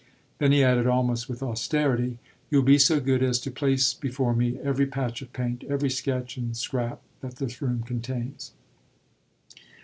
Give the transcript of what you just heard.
Then he added almost with austerity: "You'll be so good as to place before me every patch of paint, every sketch and scrap, that this room contains."